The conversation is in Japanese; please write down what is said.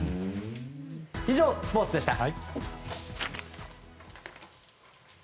以上スポーツでした。